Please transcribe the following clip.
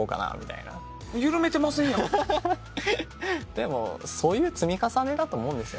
でもそういう積み重ねだと思うんですよね。